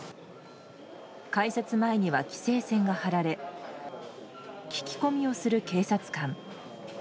改札前には、規制線が張られ聞き込みをする警察官。